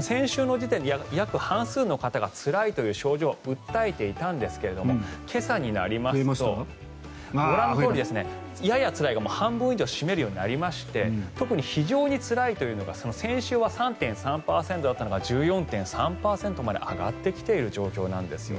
先週の時点で約半数の方がつらいという症状を訴えていたんですが今朝になりますとご覧のとおり、ややつらいが半分以上を占めるようになりまして特に非常につらいというのが先週は３．３％だったのが１４．３％まで上がってきている状況なんです。